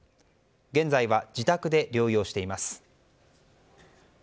現在は自宅で療養しています。